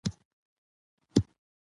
موږ باید د مورنۍ ژبې په اهمیت پوه سو.